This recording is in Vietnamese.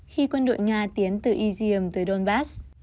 khi quân đội nga tiến từ izium tới donbass